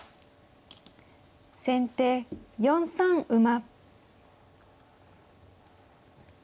先手４三馬。